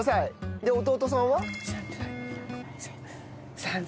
で弟さんは？